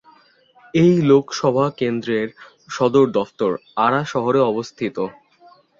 এই লোকসভা কেন্দ্রের সদর দফতর আরা শহরে অবস্থিত।